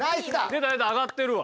出た出た上がってるわ。